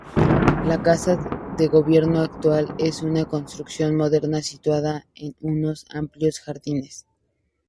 La Casa de Gobierno actual es una construcción moderna situada en unos amplios jardines.